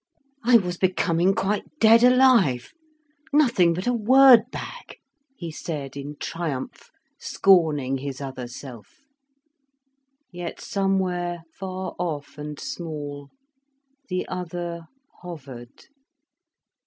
"I was becoming quite dead alive, nothing but a word bag," he said in triumph, scorning his other self. Yet somewhere far off and small, the other hovered.